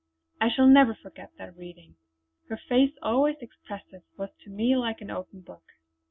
I shall never forget that reading. Her face, always expressive, was to me like an open book.